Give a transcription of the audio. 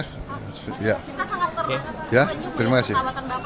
kita sangat terima kasih